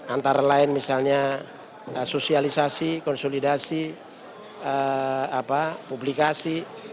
antara lain misalnya sosialisasi konsolidasi publikasi